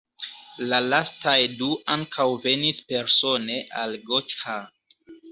La lastaj du ankaŭ venis persone al Gotha.